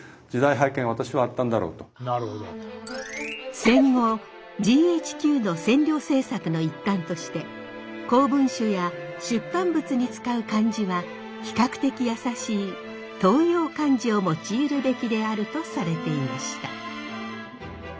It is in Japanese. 戦後ＧＨＱの占領政策の一環として公文書や出版物に使う漢字は比較的易しい当用漢字を用いるべきであるとされていました。